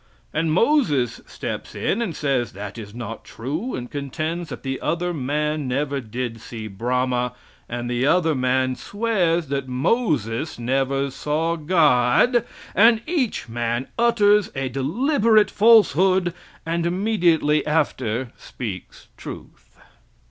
And Moses steps in and says, "That is not true!" and contends that the other man never did see Brahma, and the other man swears that Moses never saw God; and each man utters a deliberate falsehood, and immediately after speaks truth.